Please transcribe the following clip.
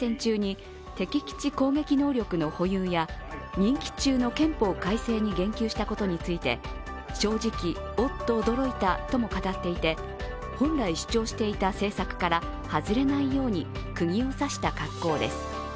任期中の憲法改正に言及したことについて正直おっと驚いたとも語っていて本来主張していた政策から外れないように釘を刺した格好です。